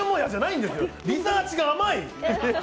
リサーチが甘い！